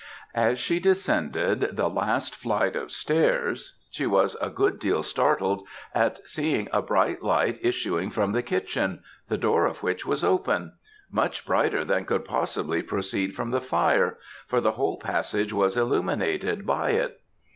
As she descended the last flight of stairs, she was a good deal startled at seeing a bright light issuing from the kitchen the door of which was open much brighter than could possibly proceed from the fire, for the whole passage was illuminated by it.